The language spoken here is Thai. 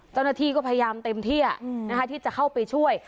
เจ้าหน้าที่ก็พยายามเต็มที่ที่จะเข้าไปช่วย